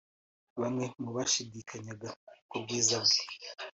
Bamwe mu bashidikanyaga ku bwiza bwe